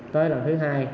tới lần thứ hai